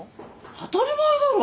当たり前だろ！